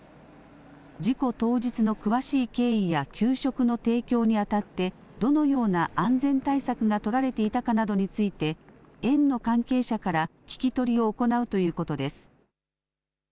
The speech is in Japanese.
事故当日の詳しい経緯や給食の提供にあたってどのような安全対策が取られていたかなどについて園の関係者から聴き取りを行うということです。